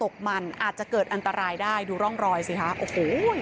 ใครดูร่องรอยสิคะโอ้โห